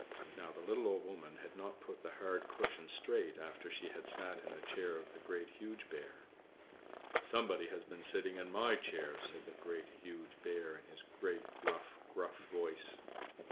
Now, the little Old Woman had not put the hard cushion straight after she had sat in the chair of the Great, Huge Bear. "=Somebody has been sitting in my chair!=" said the Great, Huge Bear, in his great, rough, gruff voice.